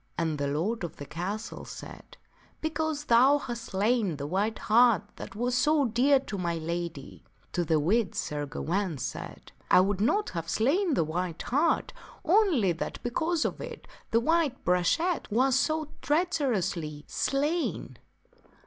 " And the lord of the castle said, " Because thou hast slain the white hart that was so dear to my lady." To the which Sir Gawaine said, " I would not have slain the white hart The kni ht of on ty ^at because of it the white brachet was so treacherously the castle assail slain."